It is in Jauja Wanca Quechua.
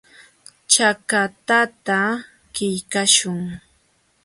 Chakatata qillqaśhun.